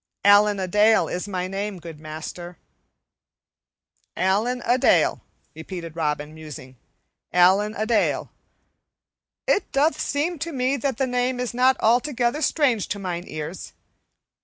"Allen a Dale is my name, good master." "Allen a Dale," repeated Robin, musing. "Allen a Dale. It doth seem to me that the name is not altogether strange to mine ears.